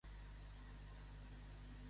Brown la va preparar físicament Mr.